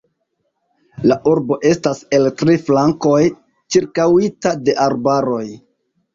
La urbo estas el tri flankoj ĉirkaŭita de arbaroj.